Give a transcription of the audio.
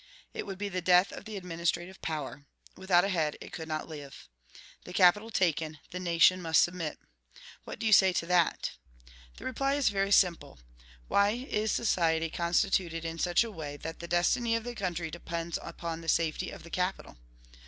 It would be the death of the administrative power; without a head it could not live. The capital taken, the nation must submit. What do you say to that?" The reply is very simple. Why is society constituted in such a way that the destiny of the country depends upon the safety of the capital?